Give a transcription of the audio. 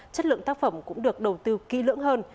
chất lượng tác phẩm cũng được đầu tư kỹ lưỡng hơn